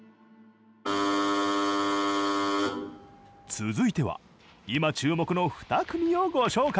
続いては今、注目の２組をご紹介。